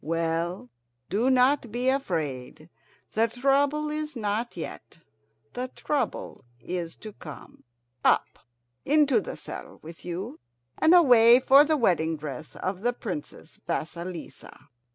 Well, do not be afraid. The trouble is not yet; the trouble is to come. Up! into the saddle with you, and away for the wedding dress of the Princess Vasilissa!"